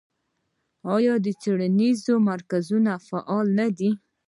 آیا څیړنیز مرکزونه فعال نه دي؟